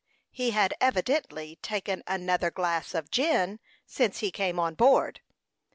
He had evidently taken another glass of gin since he came on board.